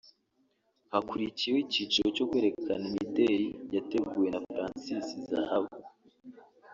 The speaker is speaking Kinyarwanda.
hakurikiyeho icyiciro cyo kwerekana imideli yateguwe na Francis Zahabu